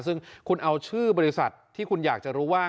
ซึ่งคุณเอาชื่อบริษัทที่คุณอยากจะรู้ว่า